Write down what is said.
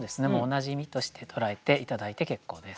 同じ意味として捉えて頂いて結構です。